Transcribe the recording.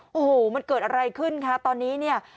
โอ้โหมันเกิดอะไรขึ้นคะตอนนี้เนี่ย